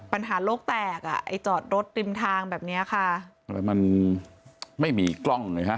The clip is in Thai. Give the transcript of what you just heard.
ปัญหาโลกแตกอ่ะไอ้จอดรถริมทางแบบเนี้ยค่ะอะไรมันไม่มีกล้องเลยฮะ